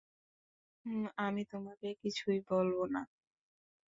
আমি তোমাকে কিছুই বলবো না।